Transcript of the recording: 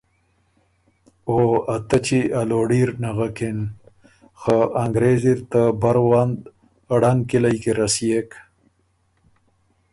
او ا تچی ا لوړي ر نغکِن خه انګرېز اِر ته بروند ړنګ کِلئ کی رسيېک